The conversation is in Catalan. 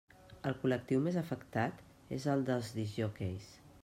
El col·lectiu més afectat és el dels discjòqueis.